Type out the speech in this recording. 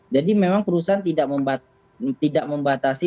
jadi memang perusahaan tidak membatasi